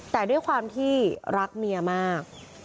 แต่ด้วยความที่รักเมียมาก